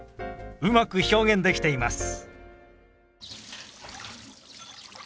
うまく表現できています。